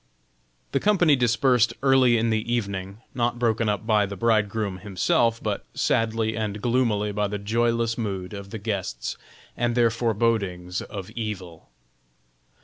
The company dispersed early in the evening, not broken up by the bridegroom himself, but sadly and gloomily by the joyless mood of the guests and their forebodings of evil.